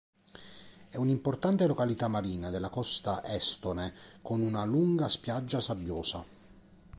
È un'importante località marina della costa estone, con una lunga spiaggia sabbiosa.